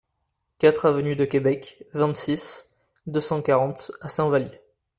quatre avenue de Quebec, vingt-six, deux cent quarante à Saint-Vallier